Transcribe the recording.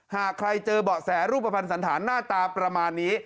หากใครเจอเบาะแสรูปภัณฑ์สันธารหน้าตาประมาณนี้